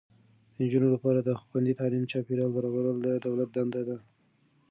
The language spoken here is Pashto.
د نجونو لپاره د خوندي تعلیمي چاپیریال برابرول د دولت دنده ده.